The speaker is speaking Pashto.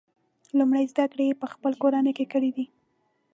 لومړۍ زده کړې یې په خپله کورنۍ کې کړي دي.